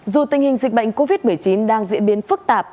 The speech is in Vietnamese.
dù tình hình dịch bệnh covid một mươi chín đang diễn biến phức tạp